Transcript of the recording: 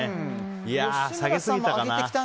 下げすぎたかな。